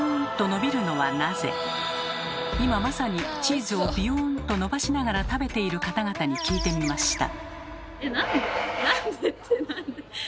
今まさにチーズをビヨンと伸ばしながら食べている方々に聞いてみました。